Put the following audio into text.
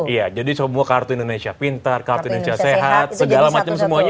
iya jadi semua kartu indonesia pintar kartu indonesia sehat segala macam semuanya